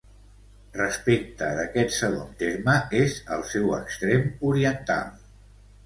Respecte d'aquest segon terme, és al seu extrem oriental.